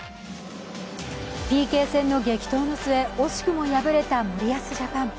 ＰＫ戦の激闘の末、惜しくも敗れた森保ジャパン。